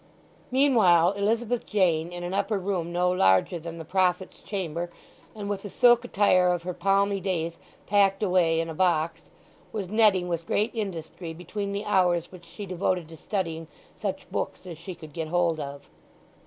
Meanwhile Elizabeth Jane, in an upper room no larger than the Prophet's chamber, and with the silk attire of her palmy days packed away in a box, was netting with great industry between the hours which she devoted to studying such books as she could get hold of.